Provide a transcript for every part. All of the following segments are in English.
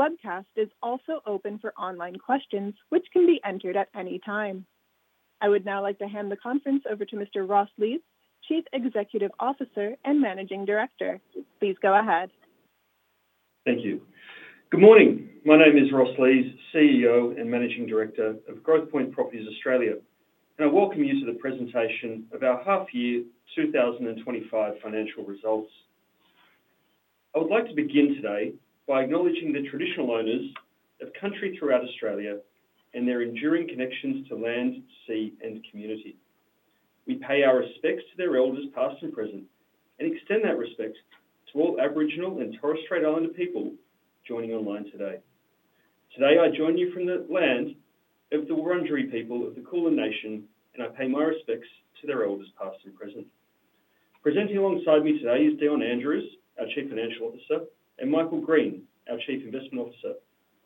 The webcast is also open for online questions, which can be entered at any time. I would now like to hand the conference over to Mr. Ross Lees, Chief Executive Officer and Managing Director. Please go ahead. Thank you. Good morning. My name is Ross Lees, CEO and Managing Director of Growthpoint Properties Australia, and I welcome you to the presentation of our half-year 2025 financial results. I would like to begin today by acknowledging the traditional owners of country throughout Australia and their enduring connections to land, sea, and community. We pay our respects to their elders past and present, and extend that respect to all Aboriginal and Torres Strait Islander people joining online today. Today I join you from the land of the Wurundjeri people of the Kulin Nation, and I pay my respects to their elders past and present. Presenting alongside me today is Dion Andrews, our Chief Financial Officer, and Michael Green, our Chief Investment Officer.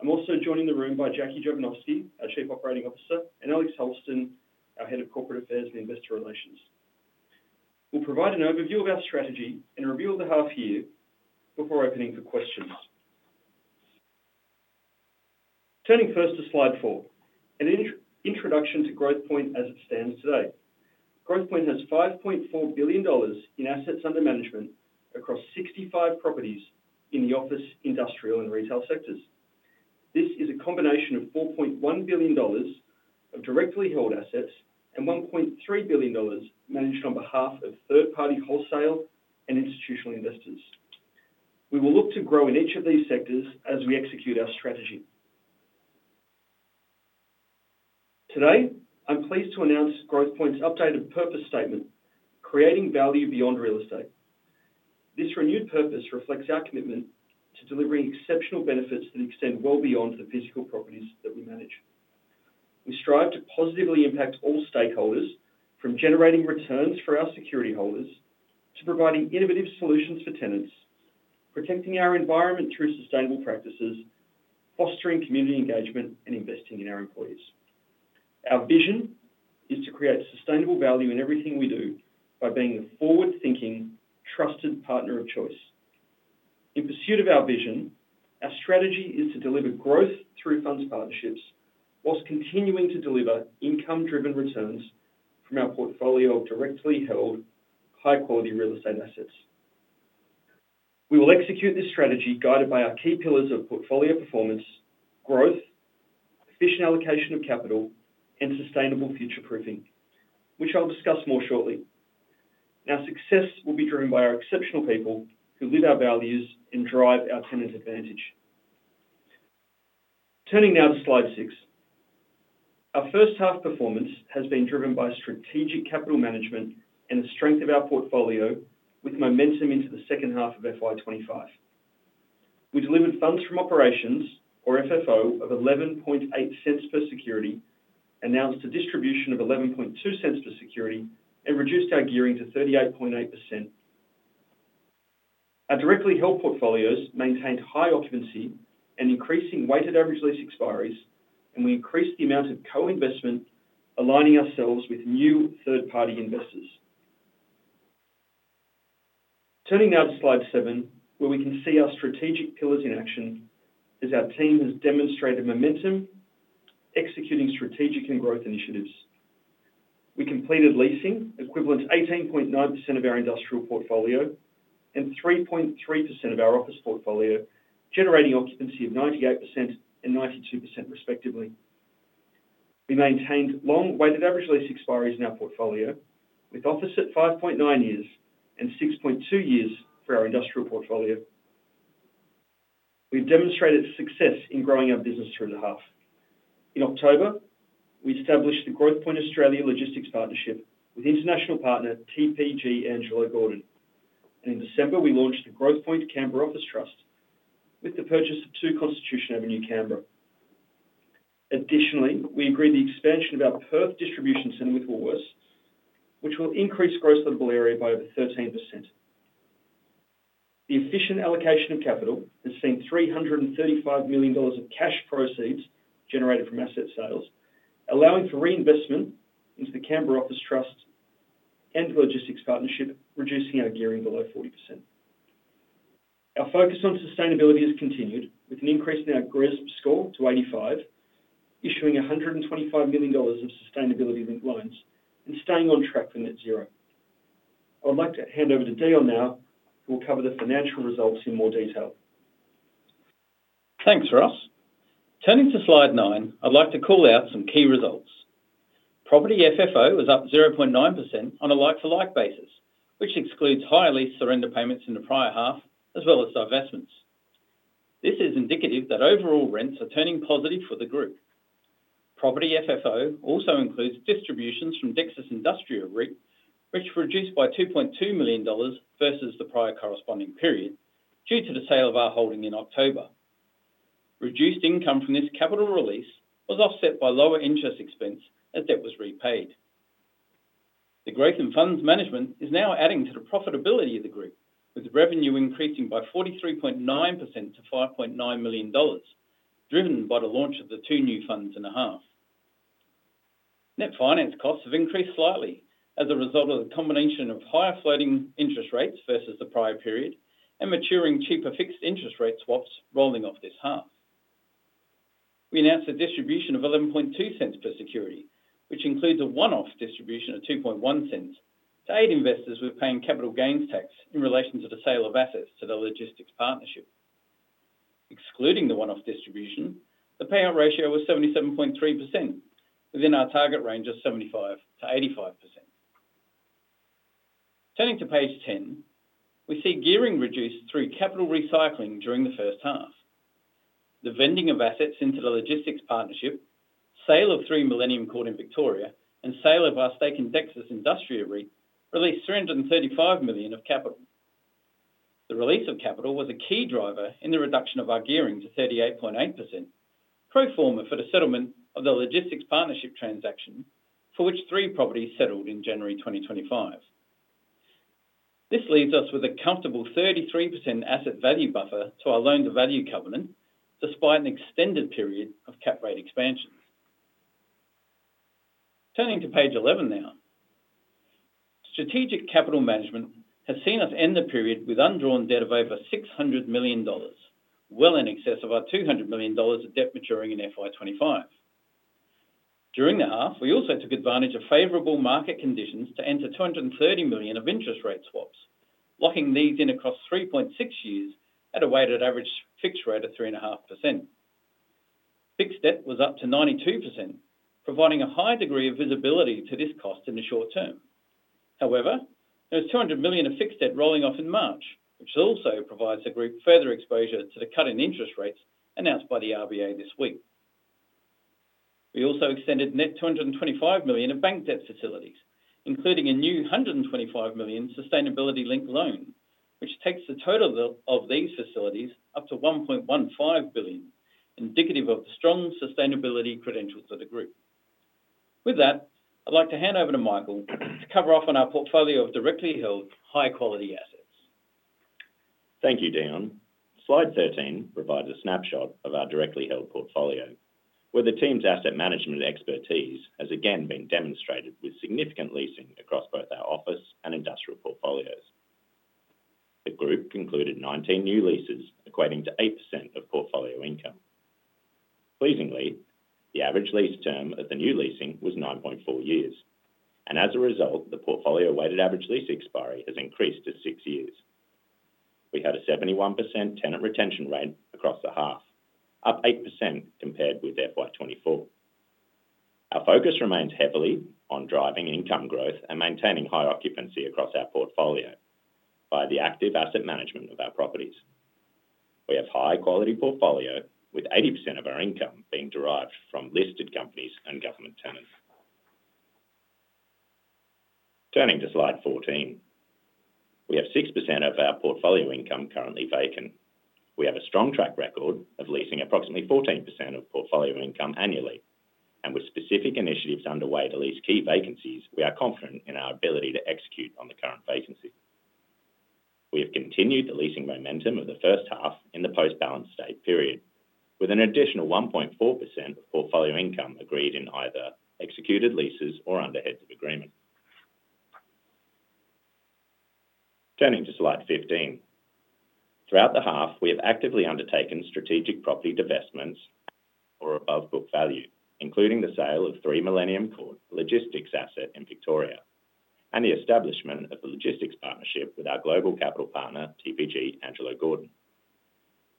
I'm also joined in the room by Jackie Jovanovski, our Chief Operating Officer, and Alex Holston, our Head of Corporate Affairs and Investor Relations. We'll provide an overview of our strategy and review of the half-year before opening for questions. Turning first to slide four, an introduction to Growthpoint as it stands today. Growthpoint has 5.4 billion dollars in assets under management across 65 properties in the office, industrial, and retail sectors. This is a combination of 4.1 billion dollars of directly held assets and 1.3 billion dollars managed on behalf of third-party wholesale and institutional investors. We will look to grow in each of these sectors as we execute our strategy. Today, I'm pleased to announce Growthpoint's updated purpose statement, "Creating Value Beyond Real Estate." This renewed purpose reflects our commitment to delivering exceptional benefits that extend well beyond the physical properties that we manage. We strive to positively impact all stakeholders, from generating returns for our security holders to providing innovative solutions for tenants, protecting our environment through sustainable practices, fostering community engagement, and investing in our employees. Our vision is to create sustainable value in everything we do by being the forward-thinking, trusted partner of choice. In pursuit of our vision, our strategy is to deliver growth through funds partnerships while continuing to deliver income-driven returns from our portfolio of directly held, high-quality real estate assets. We will execute this strategy guided by our key pillars of portfolio performance, growth, efficient allocation of capital, and sustainable future proofing, which I'll discuss more shortly. Our success will be driven by our exceptional people who live our values and drive our tenant advantage. Turning now to slide six, our first half performance has been driven by strategic capital management and the strength of our portfolio, with momentum into the second half of FY 2025. We delivered funds from operations, or FFO, of 11.80 per security, announced a distribution of 11.20 per security, and reduced our gearing to 38.8%. Our directly held portfolios maintained high occupancy and increasing weighted average lease expiries, and we increased the amount of co-investment, aligning ourselves with new third-party investors. Turning now to slide seven, where we can see our strategic pillars in action as our team has demonstrated momentum executing strategic and growth initiatives. We completed leasing equivalent to 18.9% of our industrial portfolio and 3.3% of our office portfolio, generating occupancy of 98% and 92% respectively. We maintained long weighted average lease expiries in our portfolio with office at 5.9 years and 6.2 years for our industrial portfolio. We've demonstrated success in growing our business through the half. In October, we established the Growthpoint Australian Logistics Partnership with international partner TPG Angelo Gordon, and in December, we launched the Growthpoint Canberra Office Trust with the purchase of 2 Constitution Avenue, Canberra. Additionally, we agreed the expansion of our Perth distribution center with Woolworths, which will increase gross lettable area by over 13%. The efficient allocation of capital has seen 335 million dollars of cash proceeds generated from asset sales, allowing for reinvestment into the Canberra Office Trust and the Logistics Partnership, reducing our gearing below 40%. Our focus on sustainability has continued with an increase in our GRESB score to 85, issuing 125 million dollars of sustainability-linked loans and staying on track with net zero. I would like to hand over to Dion now, who will cover the financial results in more detail. Thanks, Ross. Turning to slide nine, I'd like to call out some key results. Property FFO is up 0.9% on a like-for-like basis, which excludes higher lease surrender payments in the prior half as well as divestments. This is indicative that overall rents are turning positive for the group. Property FFO also includes distributions from Dexus Industria, which were reduced by 2.2 million dollars versus the prior corresponding period due to the sale of our holding in October. Reduced income from this capital release was offset by lower interest expense as debt was repaid. The growth in funds management is now adding to the profitability of the group, with revenue increasing by 43.9% to 5.9 million dollars, driven by the launch of the two new funds in the half. Net finance costs have increased slightly as a result of the combination of higher floating interest rates versus the prior period and maturing cheaper fixed interest rate swaps rolling off this half. We announced a distribution of 11.20 per security, which includes a one-off distribution of 2.10 to aid investors with paying capital gains tax in relation to the sale of assets to the Logistics Partnership. Excluding the one-off distribution, the payout ratio was 77.3%, within our target range of 75%-85%. Turning to page 10, we see gearing reduced through capital recycling during the first half. The vending of assets into the Logistics Partnership, sale of 3 Millennium Court in Victoria, and sale of our stake in Dexus Industria, released 335 million of capital. The release of capital was a key driver in the reduction of our gearing to 38.8%, pro forma for the settlement of the Logistics Partnership transaction, for which three properties settled in January 2025. This leaves us with a comfortable 33% asset value buffer to our loan-to-value covenant despite an extended period of cap rate expansions. Turning to page 11 now, strategic capital management has seen us end the period with undrawn debt of over 600 million dollars, well in excess of our 200 million dollars of debt maturing in FY 2025. During the half, we also took advantage of favorable market conditions to enter 230 million of interest rate swaps, locking these in across 3.6 years at a weighted average fixed rate of 3.5%. Fixed debt was up to 92%, providing a high degree of visibility to this cost in the short term. However, there was 200 million of fixed debt rolling off in March, which also provides the group further exposure to the cut in interest rates announced by the RBA this week. We also extended net 225 million of bank debt facilities, including a new 125 million sustainability-linked loan, which takes the total of these facilities up to 1.15 billion, indicative of the strong sustainability credentials of the group. With that, I'd like to hand over to Michael to cover off on our portfolio of directly held high-quality assets. Thank you, Dion. Slide 13 provides a snapshot of our directly held portfolio, where the team's asset management expertise has again been demonstrated with significant leasing across both our office and industrial portfolios. The group concluded 19 new leases, equating to 8% of portfolio income. Pleasingly, the average lease term of the new leasing was 9.4 years, and as a result, the portfolio weighted average lease expiry has increased to six years. We had a 71% tenant retention rate across the half, up 8% compared with FY 2024. Our focus remains heavily on driving income growth and maintaining high occupancy across our portfolio by the active asset management of our properties. We have high-quality portfolio with 80% of our income being derived from listed companies and government tenants. Turning to slide 14, we have 6% of our portfolio income currently vacant. We have a strong track record of leasing approximately 14% of portfolio income annually, and with specific initiatives underway to lease key vacancies, we are confident in our ability to execute on the current vacancy. We have continued the leasing momentum of the first half in the post-balance date period, with an additional 1.4% of portfolio income agreed in either executed leases or under heads of agreement. Turning to slide 15, throughout the half, we have actively undertaken strategic property divestments or above book value, including the sale of 3 Millennium Court logistics asset in Victoria and the establishment of the Logistics Partnership with our global capital partner, TPG Angelo Gordon.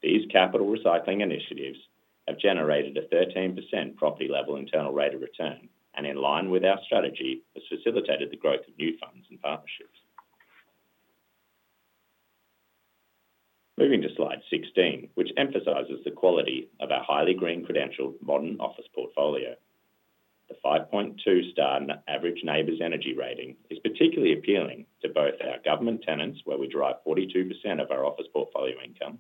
These capital recycling initiatives have generated a 13% property-level internal rate of return, and in line with our strategy, has facilitated the growth of new funds and partnerships. Moving to slide 16, which emphasizes the quality of our highly green-credentialed modern office portfolio. The 5.2-star average NABERS energy rating is particularly appealing to both our government tenants, where we derive 42% of our office portfolio income,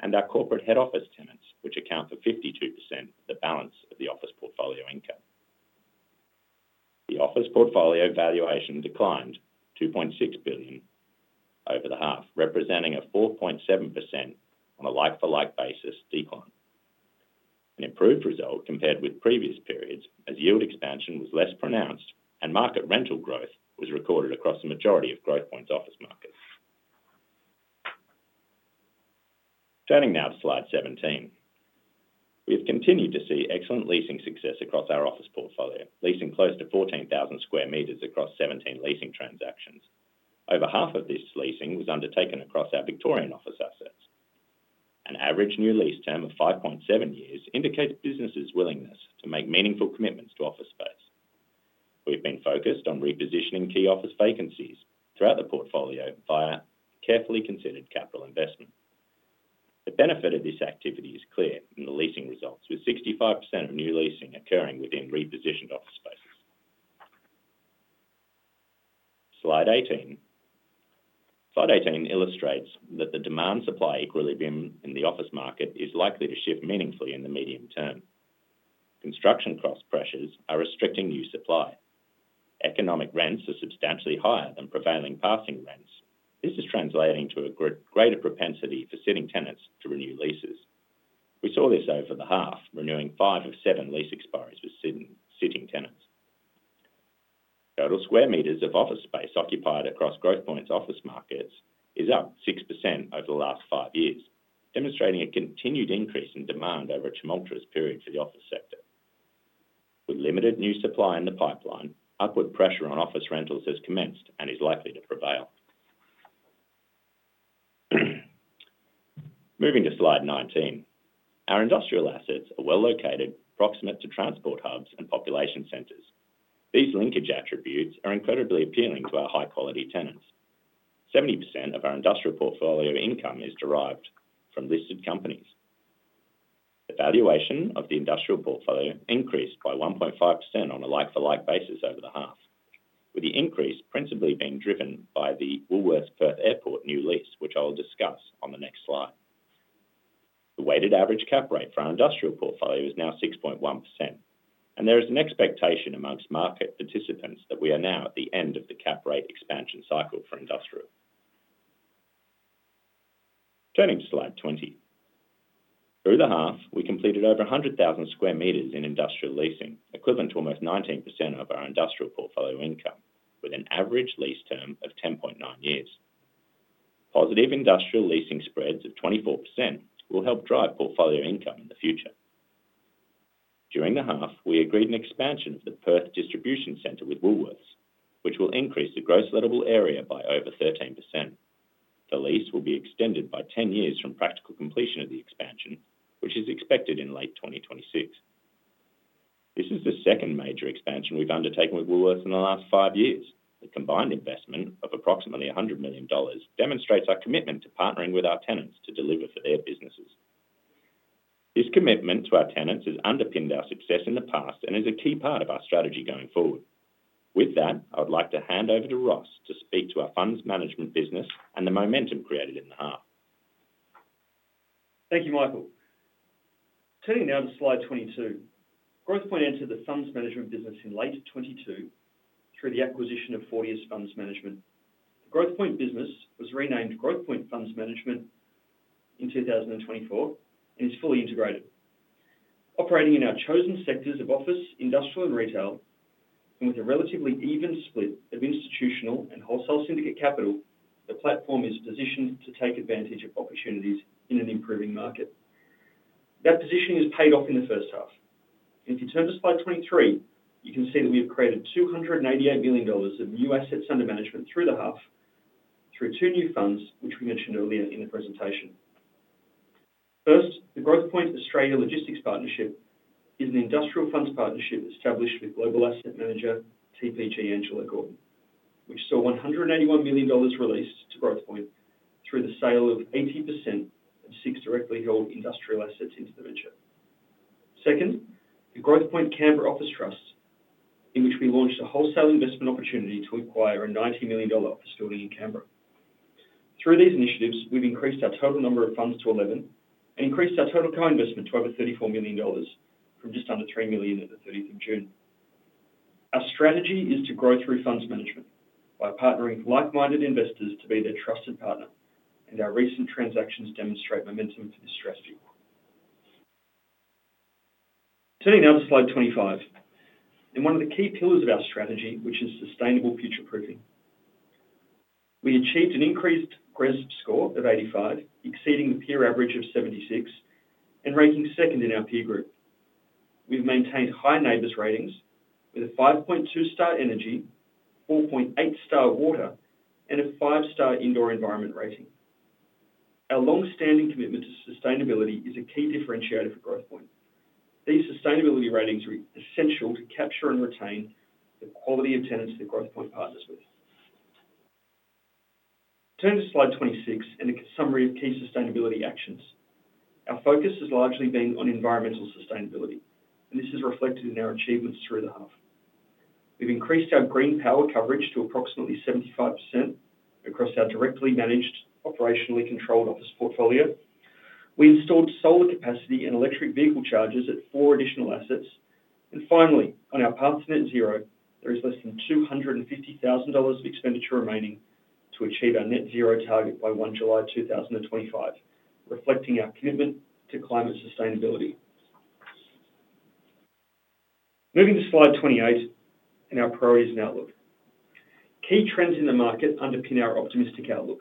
and our corporate head office tenants, which account for 52% of the balance of the office portfolio income. The office portfolio valuation declined 2.6 billion over the half, representing a 4.7% on a like-for-like basis decline. An improved result compared with previous periods as yield expansion was less pronounced and market rental growth was recorded across the majority of Growthpoint's office markets. Turning now to slide 17, we have continued to see excellent leasing success across our office portfolio, leasing close to 14,000 sq m across 17 leasing transactions. Over half of this leasing was undertaken across our Victorian office assets. An average new lease term of 5.7 years indicates businesses' willingness to make meaningful commitments to office space. We've been focused on repositioning key office vacancies throughout the portfolio via carefully considered capital investment. The benefit of this activity is clear in the leasing results, with 65% of new leasing occurring within repositioned office spaces. Slide 18 illustrates that the demand-supply equilibrium in the office market is likely to shift meaningfully in the medium term. Construction cost pressures are restricting new supply. Economic rents are substantially higher than prevailing passing rents. This is translating to a greater propensity for sitting tenants to renew leases. We saw this over the half, renewing five of seven lease expiries with sitting tenants. Total square meters of office space occupied across Growthpoint's office markets is up 6% over the last five years, demonstrating a continued increase in demand over a tumultuous period for the office sector. With limited new supply in the pipeline, upward pressure on office rentals has commenced and is likely to prevail. Moving to slide 19, our industrial assets are well located, proximate to transport hubs and population centers. These linkage attributes are incredibly appealing to our high-quality tenants. 70% of our industrial portfolio income is derived from listed companies. The valuation of the industrial portfolio increased by 1.5% on a like-for-like basis over the half, with the increase principally being driven by the Woolworths Perth Airport new lease, which I will discuss on the next slide. The weighted average cap rate for our industrial portfolio is now 6.1%, and there is an expectation among market participants that we are now at the end of the cap rate expansion cycle for industrial. Turning to slide 20, through the half, we completed over 100,000 sq m in industrial leasing, equivalent to almost 19% of our industrial portfolio income, with an average lease term of 10.9 years. Positive industrial leasing spreads of 24% will help drive portfolio income in the future. During the half, we agreed an expansion of the Perth Distribution Center with Woolworths, which will increase the gross lettable area by over 13%. The lease will be extended by 10 years from practical completion of the expansion, which is expected in late 2026. This is the second major expansion we've undertaken with Woolworths in the last five years. The combined investment of approximately 100 million dollars demonstrates our commitment to partnering with our tenants to deliver for their businesses. This commitment to our tenants has underpinned our success in the past and is a key part of our strategy going forward. With that, I would like to hand over to Ross to speak to our funds management business and the momentum created in the half. Thank you, Michael. Turning now to slide 22, Growthpoint entered the funds management business in late 2022 through the acquisition of Fortius Funds Management. The Growthpoint business was renamed Growthpoint Funds Management in 2024 and is fully integrated. Operating in our chosen sectors of office, industrial, and retail, and with a relatively even split of institutional and wholesale syndicate capital, the platform is positioned to take advantage of opportunities in an improving market. That positioning has paid off in the first half. If you turn to slide 23, you can see that we have created 288 million dollars of new assets under management through the half through two new funds, which we mentioned earlier in the presentation. First, the Growthpoint Australia Logistics Partnership is an industrial funds partnership established with global asset manager, TPG Angelo Gordon, which saw 181 million dollars released to Growthpoint through the sale of 80% of six directly held industrial assets into the venture. Second, the Growthpoint Canberra Office Trust, in which we launched a wholesale investment opportunity to acquire a 90 million dollar office building in Canberra. Through these initiatives, we've increased our total number of funds to 11 and increased our total co-investment to over 34 million dollars from just under 3 million at the 30th of June. Our strategy is to grow through funds management by partnering with like-minded investors to be their trusted partner, and our recent transactions demonstrate momentum for this strategy. Turning now to slide 25, in one of the key pillars of our strategy, which is sustainable future proofing, we achieved an increased GRESB score of 85, exceeding the peer average of 76 and ranking second in our peer group. We've maintained high NABERS ratings with a 5.2-star energy, 4.8-star water, and a 5-star indoor environment rating. Our long-standing commitment to sustainability is a key differentiator for Growthpoint. These sustainability ratings are essential to capture and retain the quality of tenants that Growthpoint partners with. Turn to slide 26 and the summary of key sustainability actions. Our focus has largely been on environmental sustainability, and this is reflected in our achievements through the half. We've increased our GreenPower coverage to approximately 75% across our directly managed, operationally controlled office portfolio. We installed solar capacity and electric vehicle chargers at four additional assets. Finally, on our path to net zero, there is less than 250,000 dollars of expenditure remaining to achieve our net zero target by 1 July 2025, reflecting our commitment to climate sustainability. Moving to slide 28 and our priorities and outlook. Key trends in the market underpin our optimistic outlook.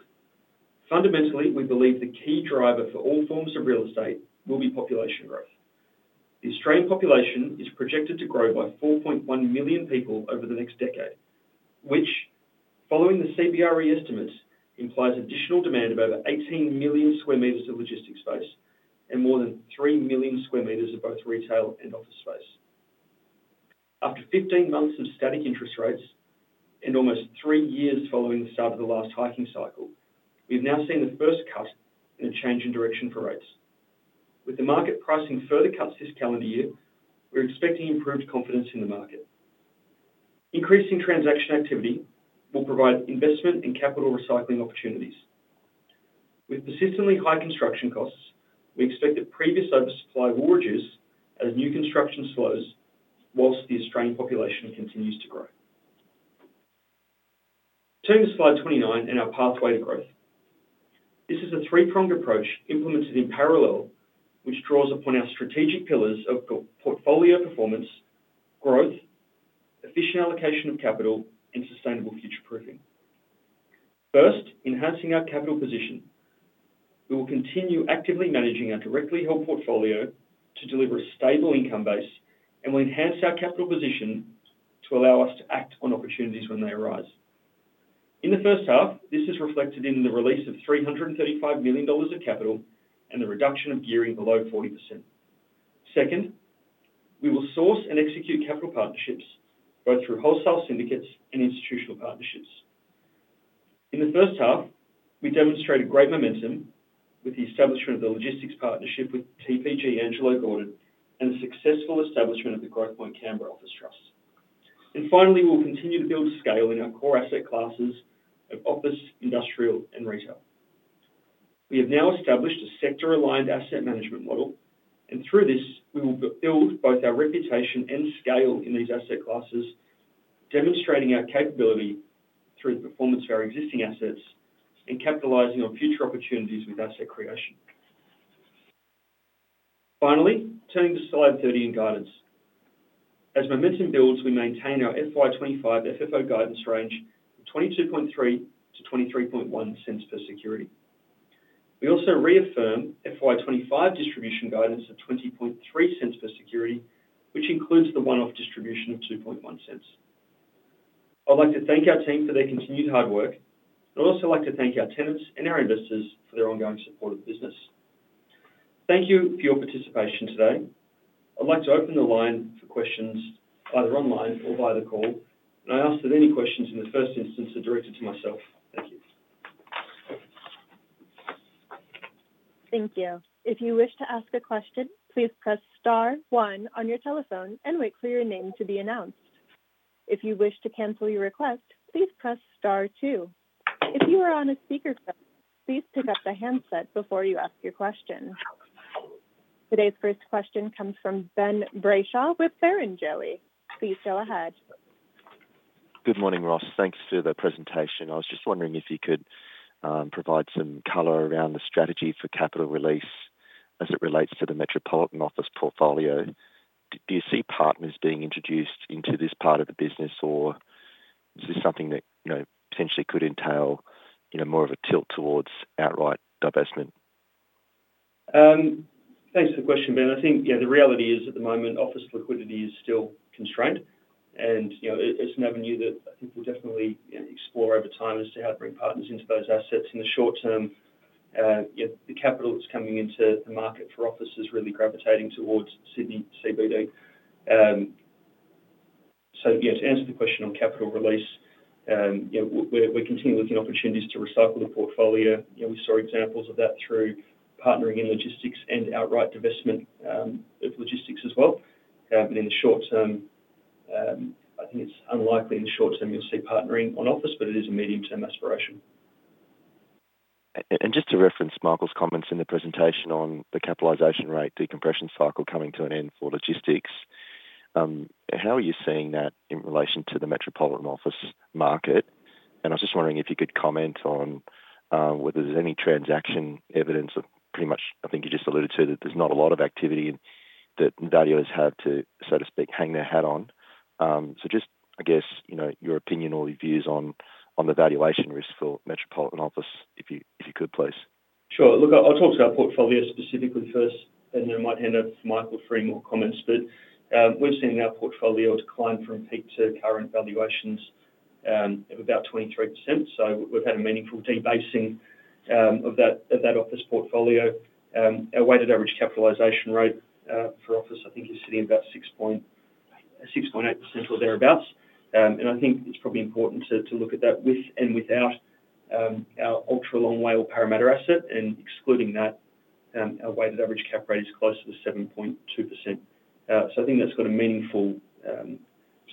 Fundamentally, we believe the key driver for all forms of real estate will be population growth. The Australian population is projected to grow by 4.1 million people over the next decade, which, following the CBRE estimates, implies additional demand of over 18 million sq m of logistics space and more than 3 million sq m of both retail and office space. After 15 months of static interest rates and almost three years following the start of the last hiking cycle, we've now seen the first cut in a change in direction for rates. With the market pricing further cuts this calendar year, we're expecting improved confidence in the market. Increasing transaction activity will provide investment and capital recycling opportunities. With persistently high construction costs, we expect that previous oversupply will reduce as new construction slows while the Australian population continues to grow. Turning to slide 29 and our pathway to growth. This is a three-pronged approach implemented in parallel, which draws upon our strategic pillars of portfolio performance, growth, efficient allocation of capital, and sustainable future proofing. First, enhancing our capital position. We will continue actively managing our directly held portfolio to deliver a stable income base, and we'll enhance our capital position to allow us to act on opportunities when they arise. In the first half, this is reflected in the release of 335 million dollars of capital and the reduction of gearing below 40%. Second, we will source and execute capital partnerships both through wholesale syndicates and institutional partnerships. In the first half, we demonstrated great momentum with the establishment of the logistics partnership with TPG Angelo Gordon and the successful establishment of the Growthpoint Canberra Office Trust. And finally, we will continue to build scale in our core asset classes of office, industrial, and retail. We have now established a sector-aligned asset management model, and through this, we will build both our reputation and scale in these asset classes, demonstrating our capability through the performance of our existing assets and capitalizing on future opportunities with asset creation. Finally, turning to slide 30 and guidance. As momentum builds, we maintain our FY 2025 FFO guidance range of 0.223-0.231 per security. We also reaffirm FY 2025 distribution guidance of 0.203 per security, which includes the one-off distribution of 0.021. I'd like to thank our team for their continued hard work, and I'd also like to thank our tenants and our investors for their ongoing support of the business. Thank you for your participation today. I'd like to open the line for questions either online or via the call, and I ask that any questions in the first instance are directed to myself. Thank you. Thank you. If you wish to ask a question, please press star one on your telephone and wait for your name to be announced. If you wish to cancel your request, please press star two. If you are on a speakerphone, please pick up the handset before you ask your question. Today's first question comes from Ben Brayshaw with Barrenjoey. Please go ahead. Good morning, Ross. Thanks for the presentation. I was just wondering if you could provide some color around the strategy for capital release as it relates to the Metropolitan Office portfolio. Do you see partners being introduced into this part of the business, or is this something that potentially could entail more of a tilt towards outright divestment? Thanks for the question, Ben. I think the reality is at the moment, office liquidity is still constrained, and it's an avenue that I think we'll definitely explore over time as to how to bring partners into those assets. In the short term, the capital that's coming into the market for office is really gravitating towards CBD. So to answer the question on capital release, we're continuing with the opportunities to recycle the portfolio. We saw examples of that through partnering in logistics and outright divestment of logistics as well. But in the short term, I think it's unlikely you'll see partnering on office, but it is a medium-term aspiration. Just to reference Michael's comments in the presentation on the capitalization rate decompression cycle coming to an end for logistics, how are you seeing that in relation to the Metropolitan Office market? I was just wondering if you could comment on whether there's any transaction evidence of pretty much, I think you just alluded to that there's not a lot of activity that valuers have to, so to speak, hang their hat on. Just, I guess, your opinion or your views on the valuation risk for Metropolitan Office, if you could, please. Sure. Look, I'll talk to our portfolio specifically first, and then I might hand over to Michael for any more comments. But we've seen our portfolio decline from peak to current valuations of about 23%. So we've had a meaningful debasing of that office portfolio. Our weighted average capitalization rate for office, I think, is sitting about 6.8% or thereabouts. And I think it's probably important to look at that with and without our ultra-long weighted or premium asset. And excluding that, our weighted average cap rate is closer to 7.2%. So I think that's got a meaningful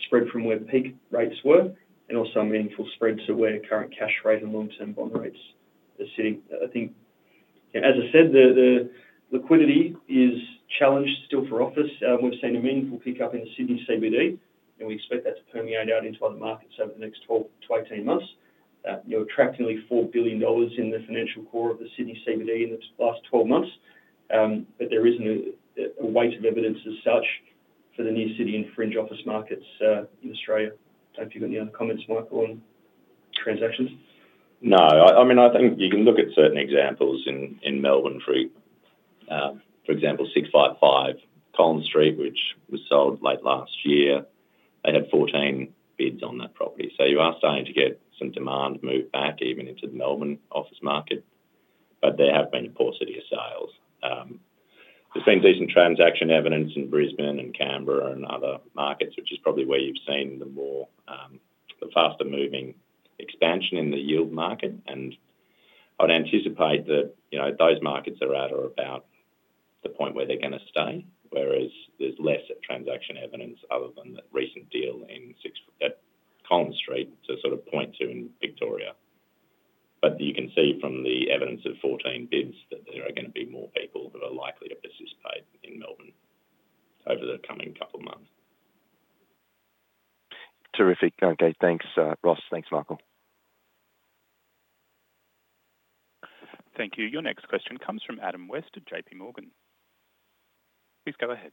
spread from where peak rates were and also a meaningful spread to where current cash rate and long-term bond rates are sitting. I think, as I said, the liquidity is challenged still for office. We've seen a meaningful pickup in the Sydney CBD, and we expect that to permeate out into other markets over the next 12-18 months. You're attracting nearly 4 billion dollars in the financial core of the Sydney CBD in the last 12 months, but there isn't a weight of evidence as such for the new Sydney and fringe office markets in Australia. I don't know if you've got any other comments, Michael, on transactions. No. I mean, I think you can look at certain examples in Melbourne Street. For example, 655 Collins Street, which was sold late last year, they had 14 bids on that property, so you are starting to get some demand moved back even into the Melbourne office market, but there have been poor city sales. There's been decent transaction evidence in Brisbane and Canberra and other markets, which is probably where you've seen the faster-moving expansion in the yield market, and I would anticipate that those markets are at or about the point where they're going to stay, whereas there's less transaction evidence other than the recent deal in Collins Street to sort of point to in Victoria, but you can see from the evidence of 14 bids that there are going to be more people who are likely to participate in Melbourne over the coming couple of months. Terrific. Okay. Thanks, Ross. Thanks, Michael. Thank you. Your next question comes from Adam West at JPMorgan. Please go ahead.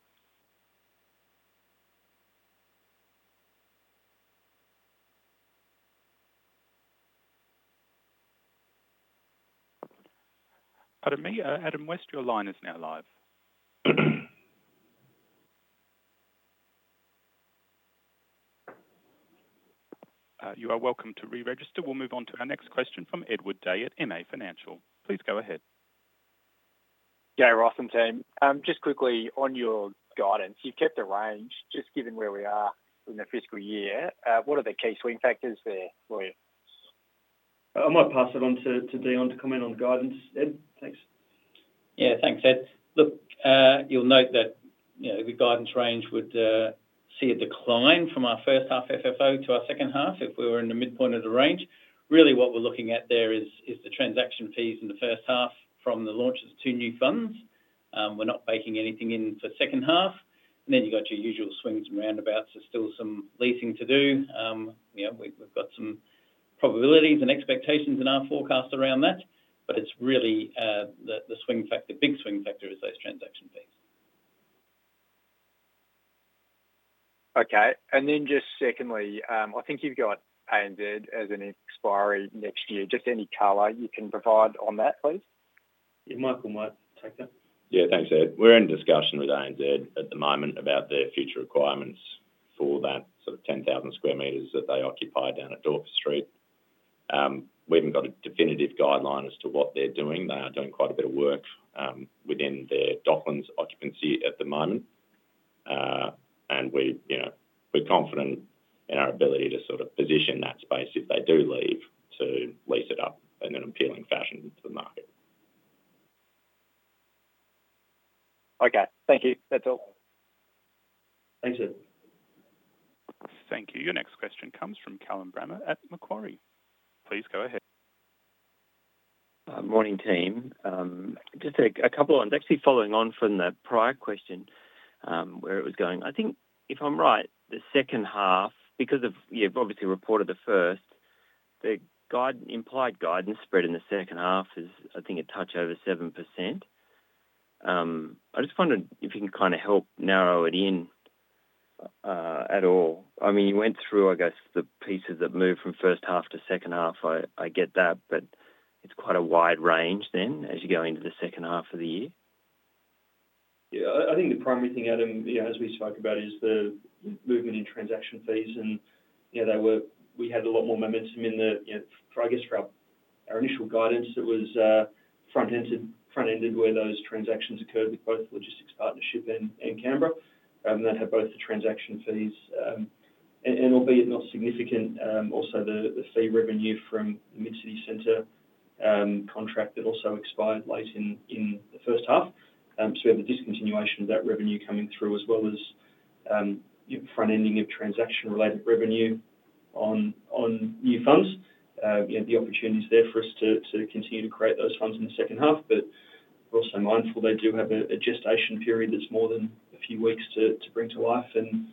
Adam West, your line is now live. You are welcome to re-register. We'll move on to our next question from Edward Day at MA Financial. Please go ahead. Yeah, Ross and team. Just quickly on your guidance, you've kept a range, just given where we are in the fiscal year. What are the key swing factors there for you? I might pass it on to Dion to comment on the guidance. Ed, thanks. Yeah, thanks, Ed. Look, you'll note that the guidance range would see a decline from our first half FFO to our second half if we were in the midpoint of the range. Really, what we're looking at there is the transaction fees in the first half from the launch of two new funds. We're not baking anything in for the second half. And then you've got your usual swings and roundabouts. There's still some leasing to do. We've got some probabilities and expectations in our forecast around that, but it's really the big swing factor is those transaction fees. Okay. And then just secondly, I think you've got ANZ as an expiry next year. Just any color you can provide on that, please. Yeah, Michael might take that. Yeah, thanks, Ed. We're in discussion with ANZ at the moment about their future requirements for that sort of 10,000 sq m that they occupy down at Collins Street. We haven't got a definitive guideline as to what they're doing. They are doing quite a bit of work within their Docklands occupancy at the moment. And we're confident in our ability to sort of position that space if they do leave to lease it up in an appealing fashion to the market. Okay. Thank you. That's all. Thanks, Ed. Thank you. Your next question comes from Callum Bramah at Macquarie. Please go ahead. Morning, team. Just a couple of ones. Actually, following on from the prior question where it was going, I think, if I'm right, the second half, because you've obviously reported the first, the implied guidance spread in the second half is, I think, a touch over 7%. I just wondered if you can kind of help narrow it in at all. I mean, you went through, I guess, the pieces that moved from first half to second half. I get that, but it's quite a wide range then as you go into the second half of the year. Yeah. I think the primary thing, Adam, as we spoke about, is the movement in transaction fees. And we had a lot more momentum in the, I guess, for our initial guidance, it was front-ended where those transactions occurred with both Logistics Partnership and Canberra. And that had both the transaction fees, and albeit not significant, also the fee revenue from the MidCity Centre contract that also expired late in the first half. So, we have the discontinuation of that revenue coming through, as well as front-ending of transaction-related revenue on new funds. The opportunity is there for us to continue to create those funds in the second half, but we're also mindful they do have a gestation period that's more than a few weeks to bring to life. And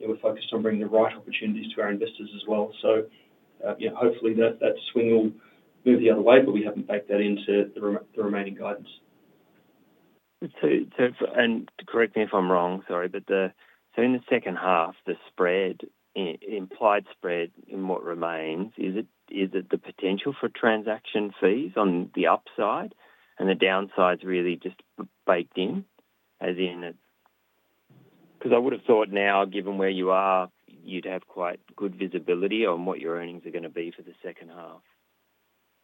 we're focused on bringing the right opportunities to our investors as well. So hopefully, that swing will move the other way, but we haven't baked that into the remaining guidance. Correct me if I'm wrong, sorry, but so in the second half, the implied spread in what remains, is it the potential for transaction fees on the upside and the downsides really just baked in as in? Because I would have thought now, given where you are, you'd have quite good visibility on what your earnings are going to be for the second half.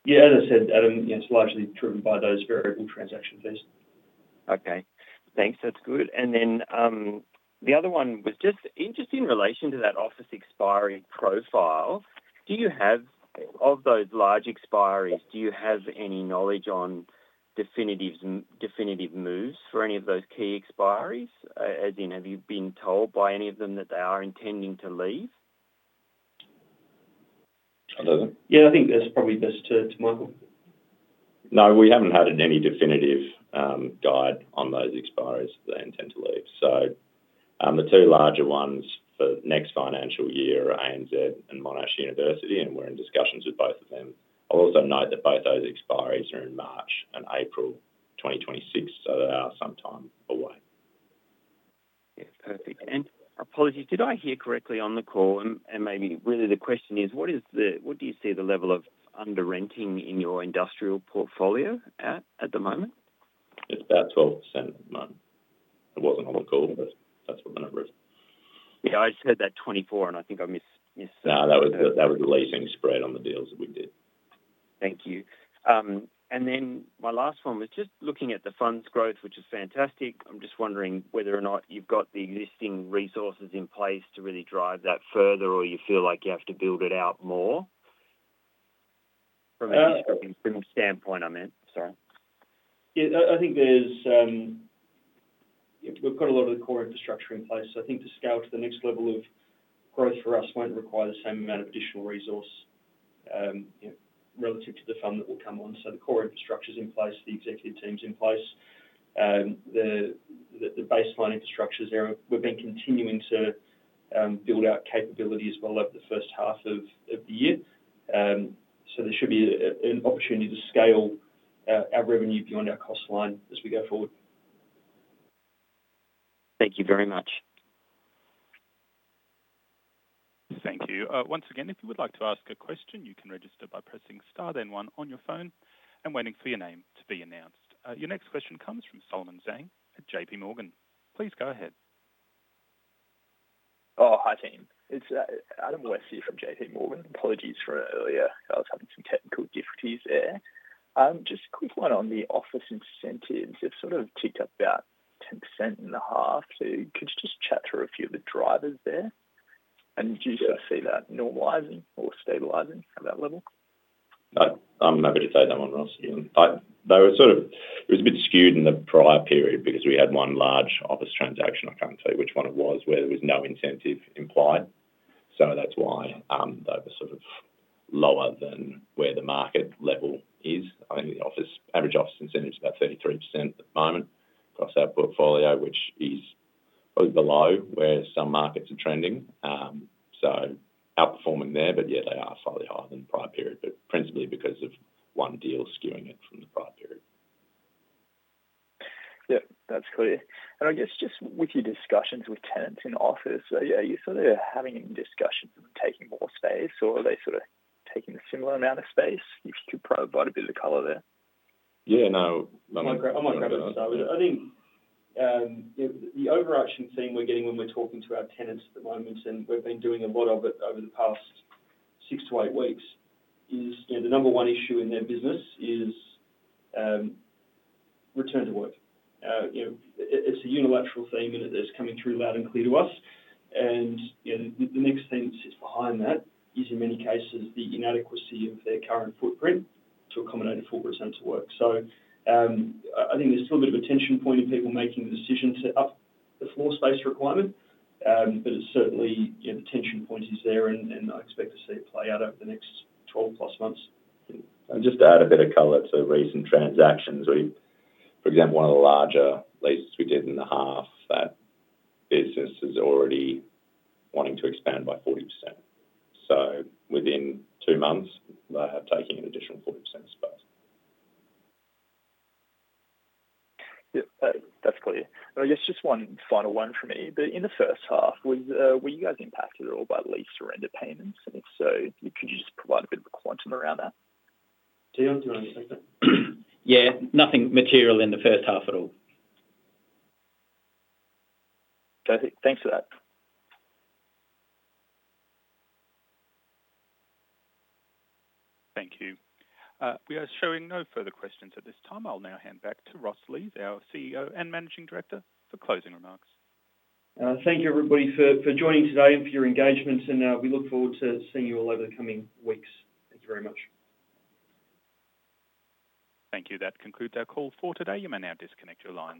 Yeah. As I said to Adam, it's largely driven by those variable transaction fees. Okay. Thanks. That's good. And then the other one was just in relation to that office expiry profile. Of those large expiries, do you have any knowledge on definitive moves for any of those key expiries? As in, have you been told by any of them that they are intending to leave? I don't know. Yeah, I think that's probably best to Michael. No, we haven't had any definitive guide on those expiries that they intend to leave. So the two larger ones for next financial year are ANZ and Monash University, and we're in discussions with both of them. I'll also note that both those expires on March and April 2026, so they are some time away. Yes. Perfect. And apologies, did I hear correctly on the call? And maybe really the question is, what do you see the level of underrenting in your industrial portfolio at the moment? It's about 12% at the moment. It wasn't on the call, but that's what the number is. Yeah. I said that 24, and I think I misheard. No, that was the leasing spread on the deals that we did. Thank you. And then my last one was just looking at the funds growth, which is fantastic. I'm just wondering whether or not you've got the existing resources in place to really drive that further, or you feel like you have to build it out more? From a standpoint, I meant. Sorry. Yeah. I think we've got a lot of the core infrastructure in place. So, I think to scale to the next level of growth for us won't require the same amount of additional resource relative to the fund that will come on. So the core infrastructure is in place, the executive team's in place, the baseline infrastructure is there. We've been continuing to build out capability as well over the first half of the year. So, there should be an opportunity to scale our revenue beyond our cost line as we go forward. Thank you very much. Thank you. Once again, if you would like to ask a question, you can register by pressing star then one on your phone and waiting for your name to be announced. Your next question comes from Solomon Zhang at JPMorgan. Please go ahead. Oh, hi, team. It's Adam West here from JPMorgan. Apologies for earlier. I was having some technical difficulties there. Just a quick one on the office incentives. They've sort of ticked up about 10% in the half, so could you just chat through a few of the drivers there, and do you sort of see that normalizing or stabilizing at that level? No. I'm not going to say that one, Ross. They were sort of it was a bit skewed in the prior period because we had one large office transaction. I can't tell you which one it was where there was no incentive implied, so that's why they were sort of lower than where the market level is. I think the average office incentive is about 33% at the moment across our portfolio, which is below where some markets are trending, so outperforming there, but yeah, they are slightly higher than the prior period, but principally because of one deal skewing it from the prior period. Yeah. That's clear. And I guess just with your discussions with tenants in office, are you sort of having any discussions of them taking more space, or are they sort of taking a similar amount of space? You could probably provide a bit of the color there. Yeah. No. I might grab it. I'll grab it. I think the overarching theme we're getting when we're talking to our tenants at the moment, and we've been doing a lot of it over the past six to eight weeks, is the number one issue in their business is return to work. It's a universal theme that is coming through loud and clear to us. And the next thing that sits behind that is, in many cases, the inadequacy of their current footprint to accommodate a full 100% of work. So, I think there's still a bit of a tension point in people making the decision to up the floor space requirement, but it's certainly the tension point is there, and I expect to see it play out over the next 12 plus months. Just to add a bit of color to recent transactions, for example, one of the larger leases we did in the half, that business is already wanting to expand by 40%. Within two months, they are taking an additional 40% space. Yeah. That's clear. And I guess just one final one for me. But in the first half, were you guys impacted at all by lease surrender payments? And if so, could you just provide a bit of a quantum around that? Dion, do you want to take that? Yeah. Nothing material in the first half at all. Perfect. Thanks for that. Thank you. We are showing no further questions at this time. I'll now hand back to Ross Lees, our CEO and Managing Director, for closing remarks. Thank you, everybody, for joining today and for your engagement, and we look forward to seeing you all over the coming weeks. Thank you very much. Thank you. That concludes our call for today. You may now disconnect your line.